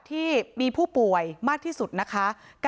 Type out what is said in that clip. ที่มีผู้ป่วยมากที่สุดนะคะ